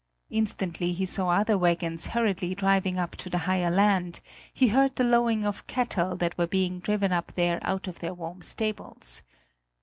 Instantly he saw other wagons hurriedly driving up to the higher land; he heard the lowing of cattle that were being driven up there out of their warm stables.